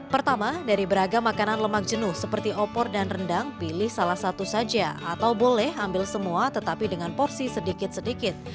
pertama dari beragam makanan lemak jenuh seperti opor dan rendang pilih salah satu saja atau boleh ambil semua tetapi dengan porsi sedikit sedikit